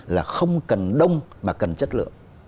là không cần đông mà cần chất lượng